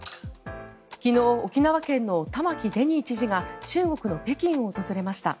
昨日、沖縄県の玉城デニー知事が中国の北京を訪れました。